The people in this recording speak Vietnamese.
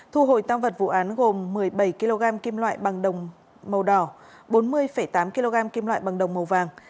thu hồi tam vật vụ án gồm một mươi bảy kg kim loại bằng đồng màu đỏ bốn mươi tám kg kim loại bằng đồng màu vàng